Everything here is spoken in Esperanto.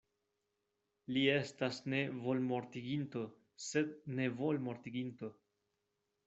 Li estas ne volmortiginto sed nevolmortiginto.